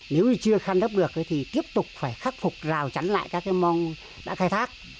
nếu như chưa khăn đắp được thì tiếp tục phải khắc phục rào chắn lại các cái mong đã khai thác